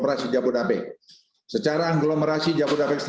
parah meluion ke rekomendasi selesai di ekonomik diirlah western jawa stsening oi ha